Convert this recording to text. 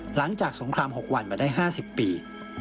หลังจากสงครามหกวันมาได้๕๐ปี